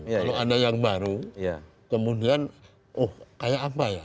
kalau anda yang baru kemudian oh kayak apa ya